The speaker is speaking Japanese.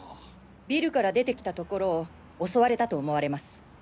ビルから出てきたところを襲われたと思われます。